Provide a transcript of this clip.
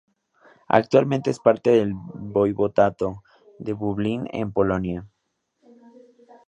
Actualmente es parte del voivodato de Lublin, en Polonia.